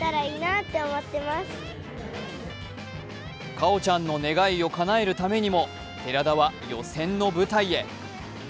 果緒ちゃんの願いをかなえるためにも寺田は予選の舞台へ。